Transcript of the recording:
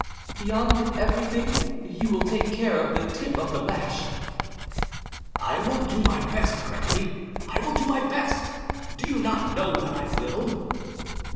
"Beyond everything you will take care of the tip of the lash?" "I will do my best, Gregory, I will do my best. Do you not know that I will?"